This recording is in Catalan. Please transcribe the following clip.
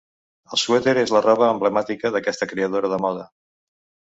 El suèter és la roba emblemàtica d'aquesta creadora de moda.